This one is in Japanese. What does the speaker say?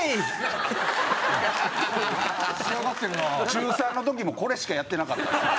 中３の時もこれしかやってなかったんですよ